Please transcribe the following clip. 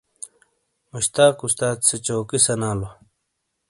مشتاق استاد سے چوکی سانالو۔